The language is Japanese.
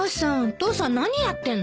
父さん何やってるの？